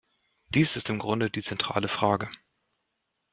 Dies ist im Grunde die zentrale Frage.